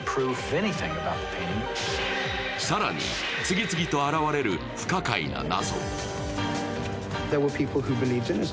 更に次々と現れる不可解な謎。